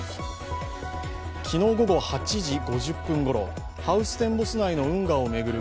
昨日午後８時５０分ごろハウステンボス内の運河を巡る